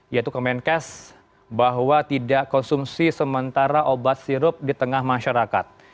yaitu kemenkes bahwa tidak konsumsi sementara obat sirup di tengah masyarakat